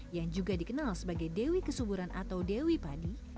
yang juga dikenal sebagai dewi kesuburan atau dewi padi